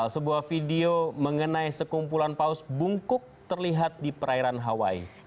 sebuah video mengenai sekumpulan paus bungkuk terlihat di perairan hawaii